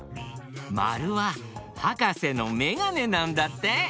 まるははかせのめがねなんだって！